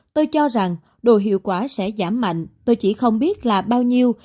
tôi cho rằng đồ hiệu quả sẽ giảm mạnh tôi chỉ không biết là bao nhiêu